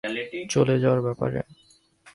চলে যাওয়ার ব্যাপারে?